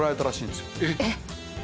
えっ？